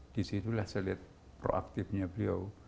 di situlah saya lihat proaktifnya beliau